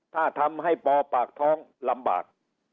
ถ้าทำให้ปอปากท้องลำบาก